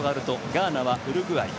ガーナはウルグアイ。